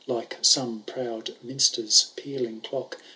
Like some proud minster^ pealing clock.